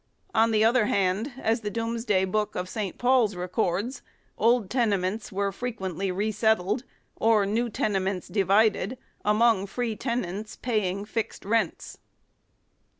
1 On the other hand, as the "Domesday Book" of St. Paul's records, old tene ments were frequently resettled, or new tenements divided, among free tenants paying fixed rents.